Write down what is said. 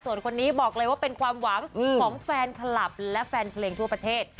ส่วนคนนี้บอกเลยว่าเป็นความหวังของแฟนคลับและแฟนเพลงทั่วประเทศ